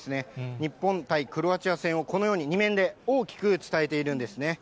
日本対クロアチア戦をこのように２面で、大きく伝えているんですね。